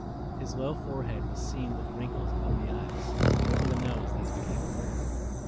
His low forehead was seamed with wrinkles above the eyes, and over the nose these became vertical.